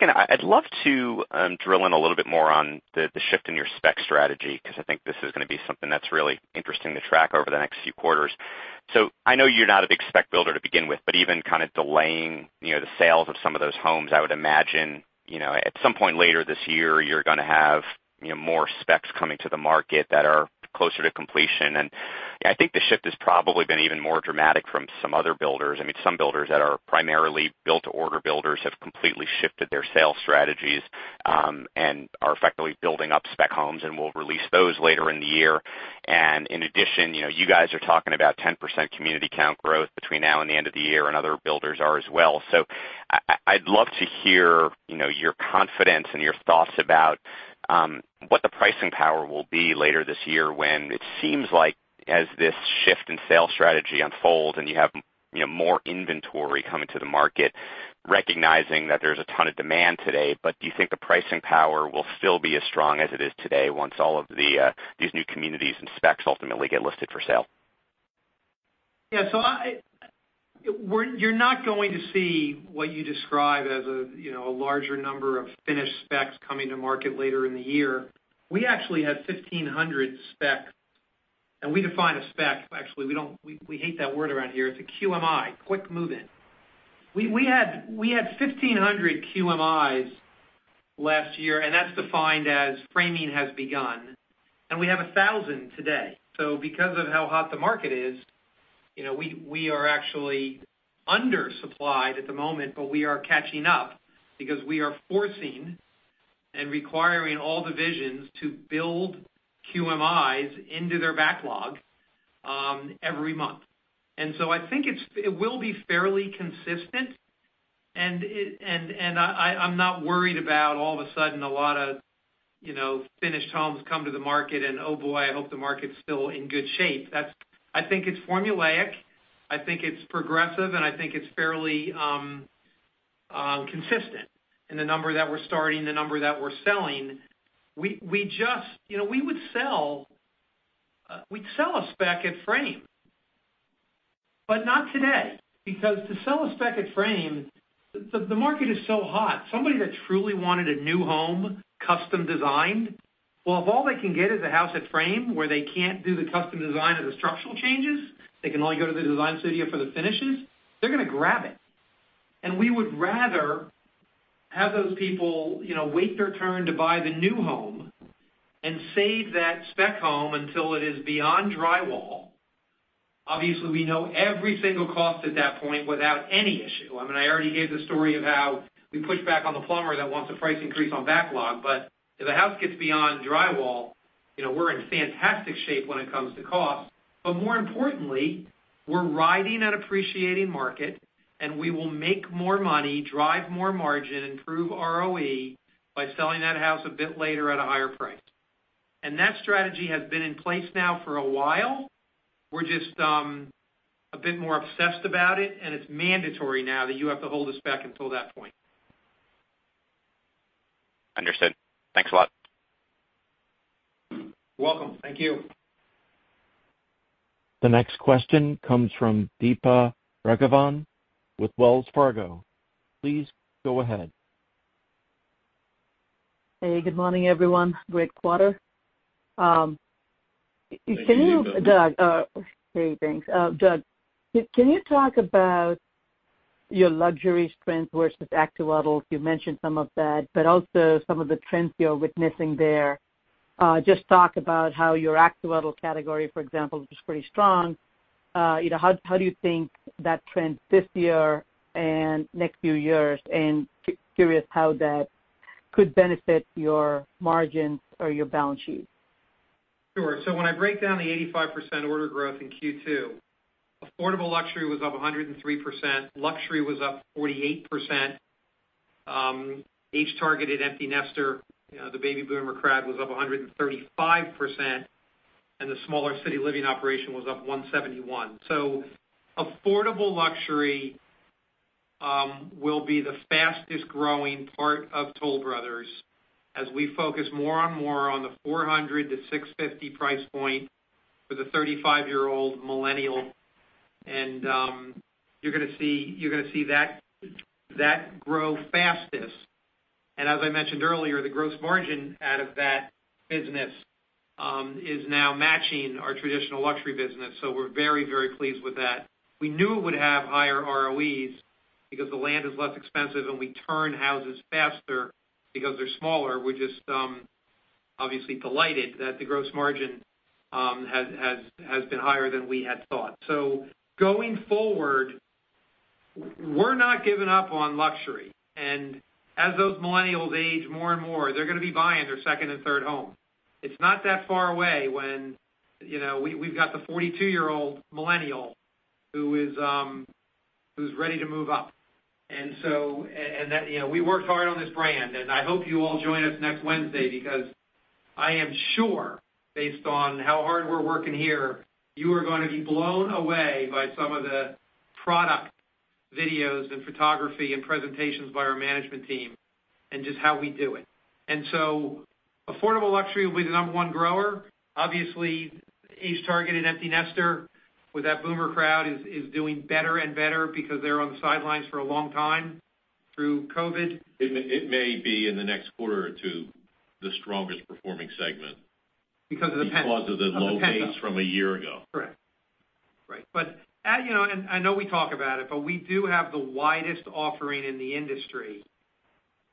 I'd love to drill in a little bit more on the shift in your spec strategy, because I think this is going to be something that's really interesting to track over the next few quarters. I know you're not a big spec builder to begin with, but even delaying the sales of some of those homes, I would imagine, at some point later this year, you're going to have more specs coming to the market that are closer to completion. I think the shift has probably been even more dramatic from some other builders. Some builders that are primarily build-to-order builders have completely shifted their sales strategies, and are effectively building up spec homes and will release those later in the year. In addition, you guys are talking about 10% community count growth between now and the end of the year, and other builders are as well. I'd love to hear your confidence and your thoughts about what the pricing power will be later this year when it seems like as this shift in sales strategy unfolds and you have more inventory coming to the market, recognizing that there's a ton of demand today. Do you think the pricing power will still be as strong as it is today once all of these new communities and specs ultimately get listed for sale? You're not going to see what you describe as a larger number of finished specs coming to market later in the year. We actually had 1,500 specs. We define a spec, actually, we hate that word around here. It's a QMI, quick move-in. We had 1,500 QMIs last year. That's defined as framing has begun. We have 1,000 today. Because of how hot the market is we are actually undersupplied at the moment, but we are catching up because we are forcing and requiring all divisions to build QMIs into their backlog, every month. I think it will be fairly consistent, and I'm not worried about all of a sudden a lot of finished homes come to the market and, oh boy, I hope the market's still in good shape. I think it's formulaic, I think it's progressive, and I think it's fairly consistent in the number that we're starting, the number that we're selling. We'd sell a spec at frame. Not today, because to sell a spec at frame, the market is so hot, somebody that truly wanted a new home custom designed, well, if all they can get is a house at frame where they can't do the custom design or the structural changes, they can only go to the Design Studio for the finishes, they're going to grab it. We would rather have those people wait their turn to buy the new home and save that spec home until it is beyond drywall. Obviously, we know every single cost at that point without any issue. I already gave the story of how we pushed back on the plumber that wants a price increase on backlog. If the house gets beyond drywall, we're in fantastic shape when it comes to cost. More importantly, we're riding an appreciating market, and we will make more money, drive more margin, improve ROE by selling that house a bit later at a higher price. That strategy has been in place now for a while. We're just a bit more obsessed about it, and it's mandatory now that you have to hold the spec until that point. Understood. Thanks a lot. Welcome. Thank you. The next question comes from Deepa Raghavan with Wells Fargo. Please go ahead. Hey, good morning, everyone. Great quarter. Hey, thanks. Doug, can you talk about your luxury trends versus active adult? You mentioned some of that, but also some of the trends you're witnessing there. Just talk about how your active adult category, for example, was pretty strong. How do you think that trends this year and next few years? Curious how that could benefit your margins or your balance sheet. Sure. When I break down the 85% order growth in Q2, affordable luxury was up 103%, luxury was up 48%, age-targeted empty nester, the baby boomer crowd was up 135%, and the smaller City Living operation was up 171%. Affordable luxury will be the fastest growing part of Toll Brothers as we focus more and more on the $400 to $650 price point for the 35-year-old millennial. You're going to see that grow fastest. As I mentioned earlier, the gross margin out of that business is now matching our traditional luxury business. We're very, very pleased with that. We knew it would have higher ROEs because the land is less expensive and we turn houses faster because they're smaller. We're just obviously delighted that the gross margin has been higher than we had thought. Going forward, we're not giving up on luxury. As those millennials age more and more, they're going to be buying their second and third home. It's not that far away when we've got the 42-year-old millennial who's ready to move up. We worked hard on this brand, and I hope you all join us next Wednesday because I am sure, based on how hard we're working here, you are going to be blown away by some of the product videos and photography and presentations by our management team and just how we do it. affordable luxury will be the number one grower. Obviously, age-targeted empty nester with that boomer crowd is doing better and better because they're on the sidelines for a long time through COVID. It may be in the next quarter or two, the strongest performing segment. Because of the pent-up demand. because of the low base from a year ago. Correct. I know we talk about it, but we do have the widest offering in the industry.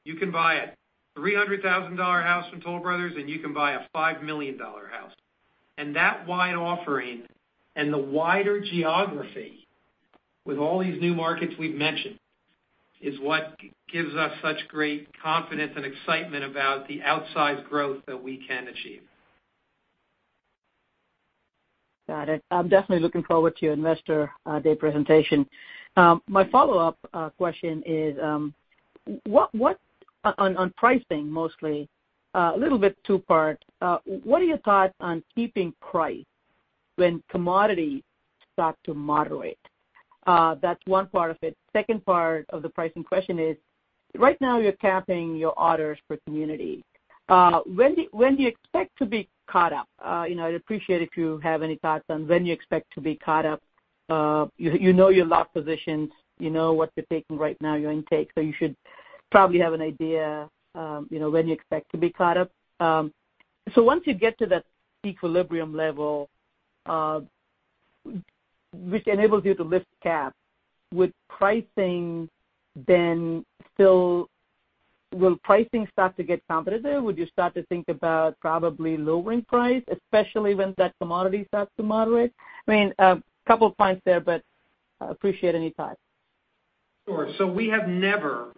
You can buy a $300,000 house from Toll Brothers, and you can buy a $5 million house. That wide offering and the wider geography with all these new markets we've mentioned is what gives us such great confidence and excitement about the outsized growth that we can achieve. Got it. I'm definitely looking forward to your investor day presentation. My follow-up question is on pricing mostly, a little bit two-part. What are your thoughts on keeping price when commodities start to moderate? That's one part of it. Second part of the pricing question is, right now you're capping your orders per community. When do you expect to be caught up? I'd appreciate if you have any thoughts on when you expect to be caught up. You know your lot positions, you know what they're taking right now, your intake, so you should probably have an idea when you expect to be caught up. Once you get to that equilibrium level, which enables you to lift caps, will pricing start to get competitive there? Would you start to think about probably lowering price, especially when that commodity starts to moderate? A couple points there. Appreciate any thoughts. Sure. We have never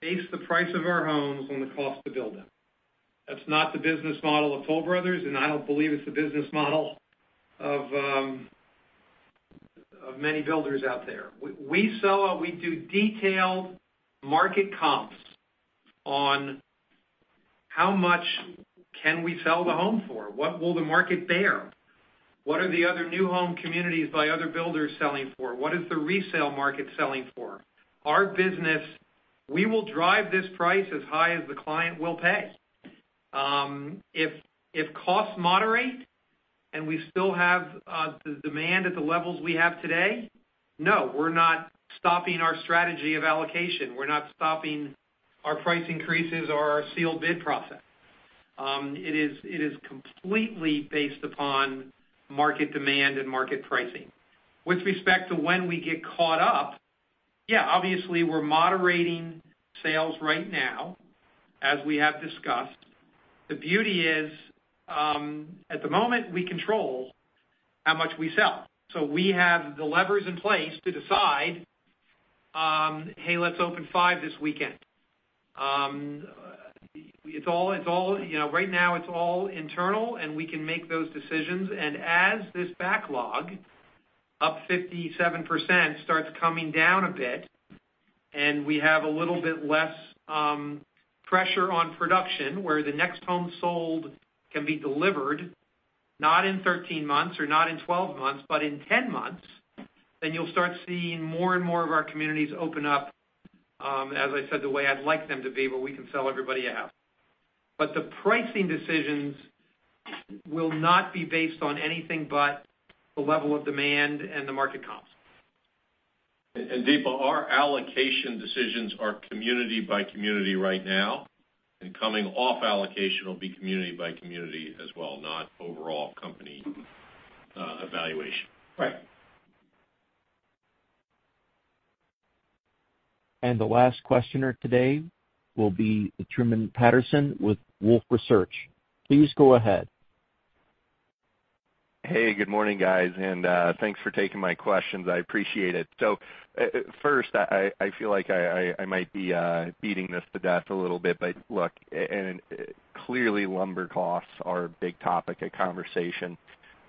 based the price of our homes on the cost to build them. That's not the business model of Toll Brothers, and I don't believe it's the business model of many builders out there. We do detailed market comps on how much can we sell the home for. What will the market bear? What are the other new home communities by other builders selling for? What is the resale market selling for? Our business, we will drive this price as high as the client will pay. If costs moderate and we still have the demand at the levels we have today, no, we're not stopping our strategy of allocation. We're not stopping our price increases or our sealed bid process. It is completely based upon market demand and market pricing. With respect to when we get caught up, yeah, obviously, we're moderating sales right now, as we have discussed. The beauty is, at the moment, we control how much we sell. We have the levers in place to decide, hey, let's open five this weekend. Right now it's all internal, and we can make those decisions. As this backlog, up 57%, starts coming down a bit and we have a little bit less pressure on production where the next home sold can be delivered, not in 13 months or not in 12 months, but in 10 months, you'll start seeing more and more of our communities open up, as I said, the way I'd like them to be, where we can sell everybody out. The pricing decisions will not be based on anything but the level of demand and the market comps. Deepa, our allocation decisions are community by community right now, and coming off allocation will be community by community as well, not overall company evaluation. Right. The last questioner today will be Truman Patterson with Wolfe Research. Please go ahead. Good morning, guys, thanks for taking my questions. I appreciate it. First, I feel like I might be beating this to death a little bit, look, clearly lumber costs are a big topic of conversation.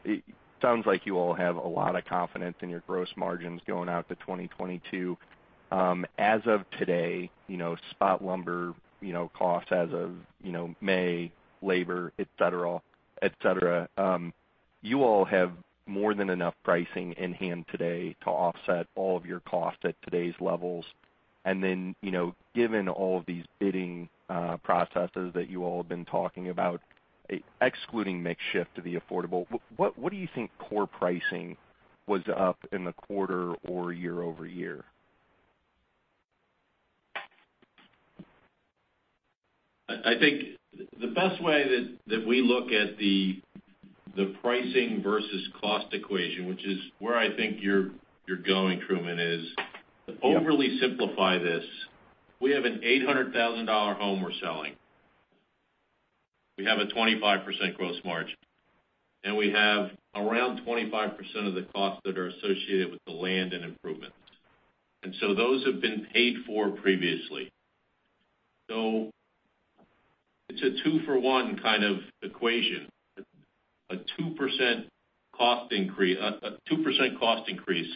It sounds like you all have a lot of confidence in your gross margins going out to 2022. As of today, spot lumber cost as of May, labor, et cetera. You all have more than enough pricing in hand today to offset all of your costs at today's levels. Given all of these bidding processes that you all have been talking about, excluding mix shift to the affordable, what do you think core pricing was up in the quarter or year-over-year? I think the best way that we look at the pricing versus cost equation, which is where I think you're going, Truman, is Yeah to overly simplify this, we have an $800,000 home we're selling. We have a 25% gross margin, and we have around 25% of the costs that are associated with the land and improvements. Those have been paid for previously. It's a two-for-one kind of equation. A 2% cost increase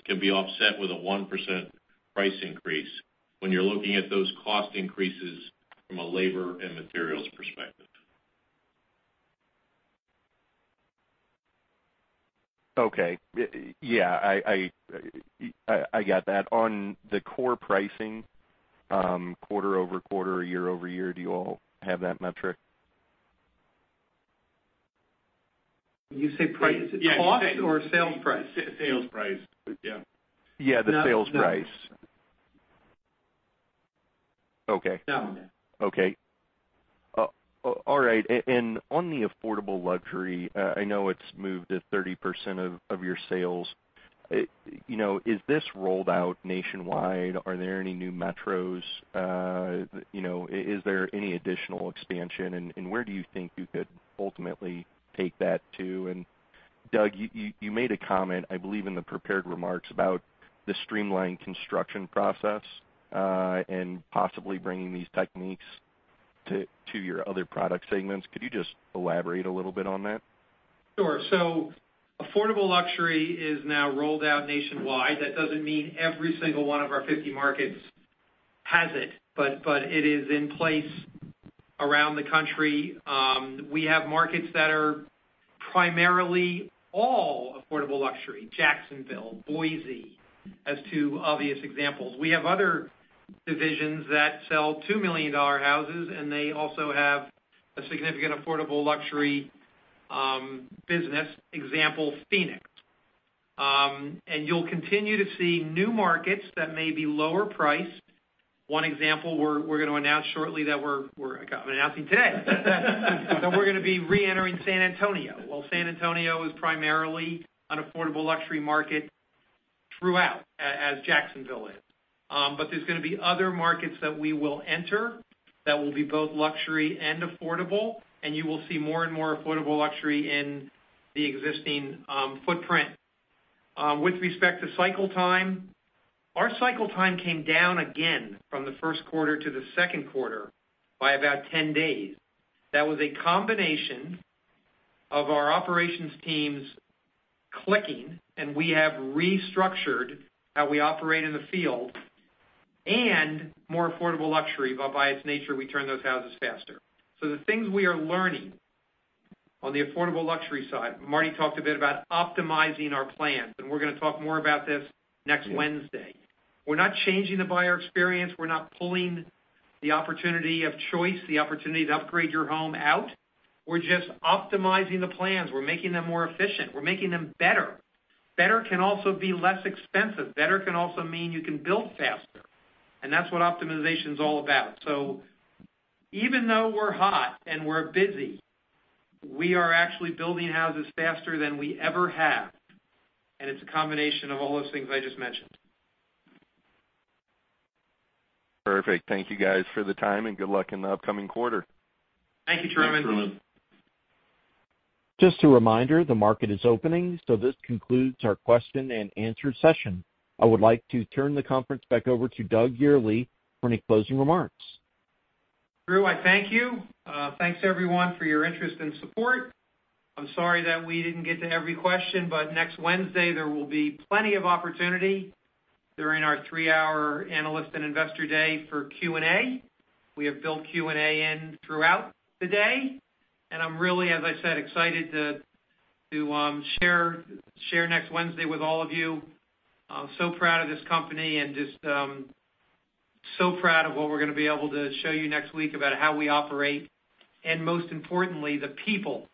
can be offset with a 1% price increase when you're looking at those cost increases from a labor and materials perspective. Okay. Yeah. I got that. On the core pricing, quarter-over-quarter, year-over-year, do you all have that metric? When you say price, is it cost or sale price? Sales price. Yeah. Yeah, the sales price. No. Okay. No. Okay. All right. On the affordable luxury, I know it's moved to 30% of your sales. Is this rolled out nationwide? Are there any new metros? Is there any additional expansion, where do you think you could ultimately take that to? Doug, you made a comment, I believe, in the prepared remarks about the streamlined construction process, possibly bringing these techniques to your other product segments. Could you just elaborate a little bit on that? Sure. Affordable luxury is now rolled out nationwide. That doesn't mean every single one of our 50 markets has it, but it is in place around the country. We have markets that are primarily all affordable luxury, Jacksonville, Boise, as two obvious examples. We have other divisions that sell $2 million houses. They also have a significant affordable luxury business. Example, Phoenix. You'll continue to see new markets that may be lower priced. One example we're going to announce shortly that I'm announcing today. We're going to be re-entering San Antonio. Well, San Antonio is primarily an affordable luxury market throughout, as Jacksonville is. There's going to be other markets that we will enter that will be both luxury and affordable, and you will see more and more affordable luxury in the existing footprint. With respect to cycle time, our cycle time came down again from the first quarter to the second quarter by about 10 days. That was a combination of our operations teams clicking, and we have restructured how we operate in the field, and more affordable luxury, by its nature, we turn those houses faster. The things we are learning on the affordable luxury side, Marty talked a bit about optimizing our plans, and we're going to talk more about this next Wednesday. We're not changing the buyer experience. We're not pulling the opportunity of choice, the opportunity to upgrade your home out. We're just optimizing the plans. We're making them more efficient. We're making them better. Better can also be less expensive. Better can also mean you can build faster, and that's what optimization's all about. Even though we're hot and we're busy, we are actually building houses faster than we ever have, and it's a combination of all those things I just mentioned. Perfect. Thank you guys for the time, and good luck in the upcoming quarter. Thank you, Truman. Thanks, Truman. Just a reminder, the market is opening, so this concludes our question and answer session. I would like to turn the conference back over to Doug Yearley for any closing remarks. Drew, I thank you. Thanks everyone for your interest and support. I'm sorry that we didn't get to every question. Next Wednesday, there will be plenty of opportunity during our three-hour analyst and investor day for Q&A. We have built Q&A in throughout the day, and I'm really, as I said, excited to share next Wednesday with all of you. I'm so proud of this company and just so proud of what we're going to be able to show you next week about how we operate, and most importantly, the people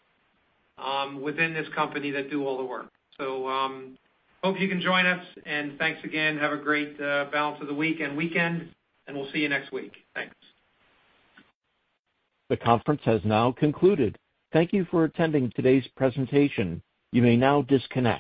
within this company that do all the work. Hope you can join us, and thanks again. Have a great balance of the week and weekend, and we'll see you next week. Thanks. The conference has now concluded. Thank you for attending today's presentation. You may now disconnect.